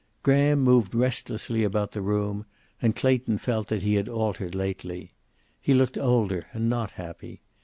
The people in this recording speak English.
Graham moved restlessly about the room, and Clayton felt that he had altered lately. He looked older, and not happy.